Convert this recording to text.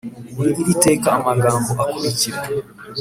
Muri iri teka amagambo akurikira